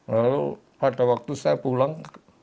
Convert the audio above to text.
lalu pada waktu saya pulang